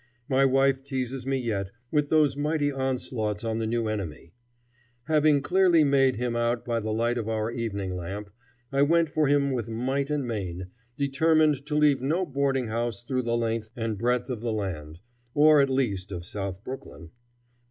My wife teases me yet with those mighty onslaughts on the new enemy. Having clearly made him out by the light of our evening lamp, I went for him with might and main, determined to leave no boarding house through the length and breadth of the land, or at least of South Brooklyn.